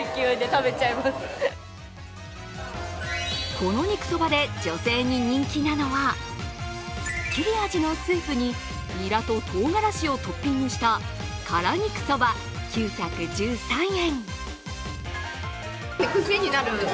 この肉そばで女性に人気なのはすっきり味のスープにニラととうがらしをトッピングした辛肉そば９１３円。